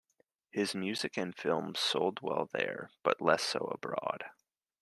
His music and films sold well there but less so abroad.